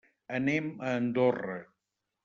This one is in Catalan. Anem a Andorra.